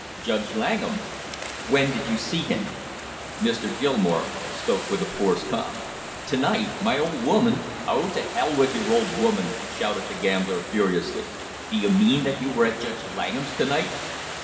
"Judge Langham." "When did you see him?" Mr. Gilmore spoke with a forced calm. "To night. My old woman " "Oh, to hell with your old woman!" shouted the gambler furiously. "Do you mean that you were at Judge Langham's to night?"